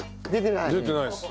出てないです。